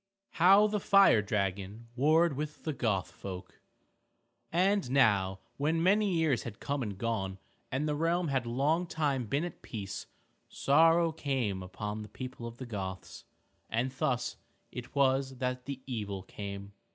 II HOW THE FIRE DRAGON WARRED WITH THE GOTH FOLK And now when many years had come and gone and the realm had long time been at peace, sorrow came upon the people of the Goths. And thus it was that the evil came.